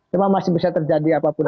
memang masih bisa terjadi apapun